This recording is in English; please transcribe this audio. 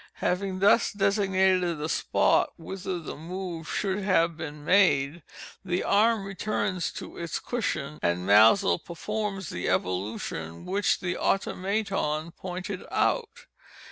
Having thus designated the spot whither the move should have been made, the arm returns to its cushion, and Maelzel performs the evolution which the Automaton pointed out.